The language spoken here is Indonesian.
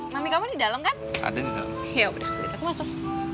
mami kamu di dalam kan ada ya udah masuk